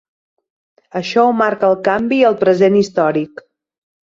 Això ho marca el canvi al present històric.